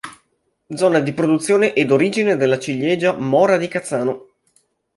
Zona di produzione e d'origine della ciliegia Mora di Cazzano.